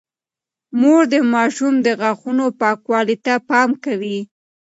مور د ماشوم د غاښونو پاکوالي ته پام کوي۔